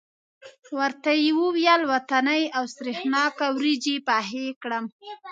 ورته یې وویل وطنۍ او سرېښناکه وریجې پخې کړم.